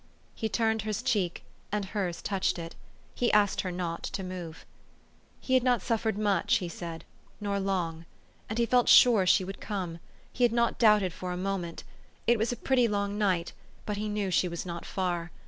He turned his cheek, and hers touched it. He asked her not to move. He had not suffered much, he said, nor long. And he felt sure she would come ; he had not doubted for a moment it was a pretty long night ; but he knew she was not far.